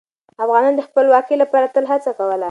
افغانان د خپلواکۍ لپاره تل هڅه کوله.